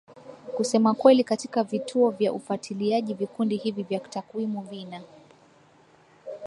kusema kweli katika vituo vya ufuatiliaji Vikundi hivi vya takwimu vina